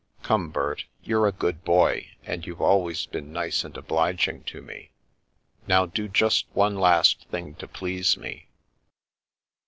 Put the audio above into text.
Come, Bert, you're a good boy, and you've always been nice and obliging to me; now do just one last thing to please me."